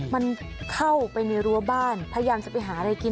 มันเข้าไปในรั้วบ้านพยายามจะไปหาอะไรกิน